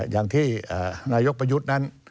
อย่างที่นายกประยุทธ์นั้น